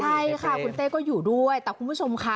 ใช่ค่ะคุณเต้ก็อยู่ด้วยแต่คุณผู้ชมค่ะ